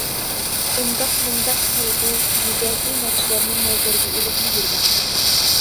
ئۇنداق مۇنداق سەلبىي، يۈزەكى نەرسىلەرنى نەزەرگە ئېلىپمۇ يۈرمەڭ.